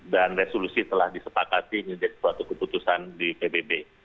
dan resolusi telah disepakati menjadi suatu keputusan di pbb